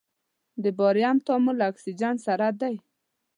د باریم تعامل له اکسیجن سره دی.